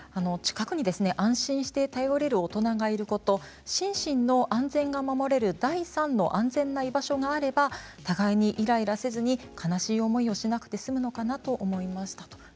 近くに安心して頼れる大人がいること心身の安全が守れる第３の安全な居場所があればお互いにイライラせずに悲しい思いをせずに済むのかなと思いました。